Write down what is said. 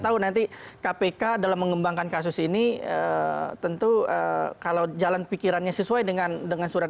tahu nanti kpk dalam mengembangkan kasus ini tentu kalau jalan pikirannya sesuai dengan dengan surat